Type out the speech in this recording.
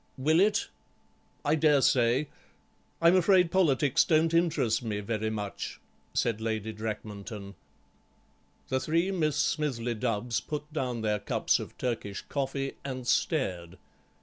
"Will it? I dare say. I'm afraid politics don't interest me very much," said Lady Drakmanton. The three Miss Smithly Dubbs put down their cups of Turkish coffee and stared.